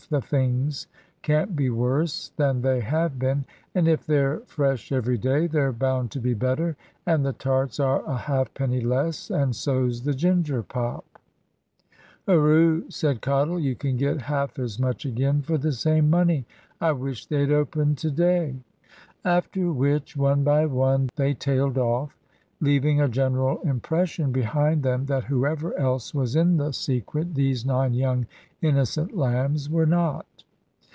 The things can't be worse than they have been, and if they're fresh every day, they're bound to be better, and the tarts are a halfpenny less, and so's the ginger pop." "Hooroo!" said Cottle; "you can get half as much again for the same money. I wish they'd open to day." After which, one by one they tailed off, leaving a general impression behind them that whoever else was in the secret, these nine young innocent lambs were not.